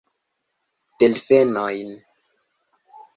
Delfenojn!